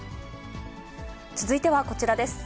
続いてはこちらです。